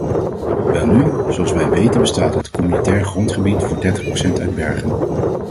Welnu, zoals wij weten bestaat het communautair grondgebied voor dertig procent uit bergen.